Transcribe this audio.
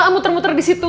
muter muter di situ